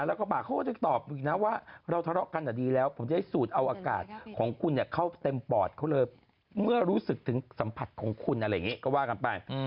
แล้วก็ปากเขาก็จะตอบอีกนะว่าเราทะเลาะกันดีแล้วผมจะให้สูดเอาอากาศของคุณเข้าเต็มปอดเขาเลยเมื่อรู้สึกถึงสัมผัสของคุณอะไรอย่างนี้ก็ว่ากันไป